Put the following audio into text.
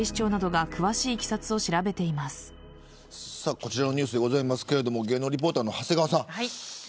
こちらのニュースですが芸能リポーターの長谷川さん。